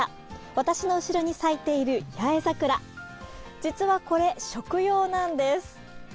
私の後ろに咲いている八重桜、実はこれ、食用なんです。